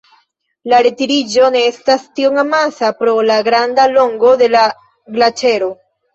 La retiriĝo ne estas tiom amasa pro la granda longo de la glaĉero.